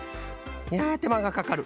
いやてまがかかる。